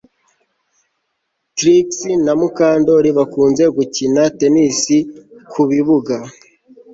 Trix na Mukandoli bakunze gukina tennis ku bibuga